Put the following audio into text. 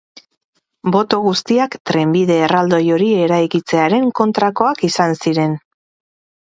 Boto guztiak trenbide erraldoi hori eraikitzearen kontrakoak izan ziren.